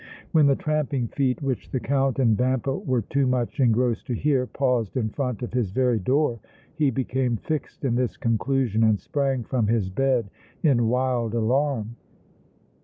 When the tramping feet, which the Count and Vampa were too much engrossed to hear, paused in front of his very door he became fixed in this conclusion and sprang from his bed in wild alarm.